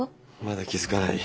まだ気付かない？